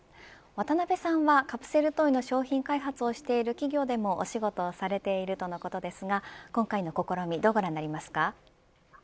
渡辺さんはカプセルトイの商品開発をしている企業でもお仕事をされているとのことですが今回の試みどうご覧になりますか。